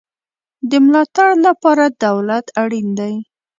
د ملاتړ لپاره دولت اړین دی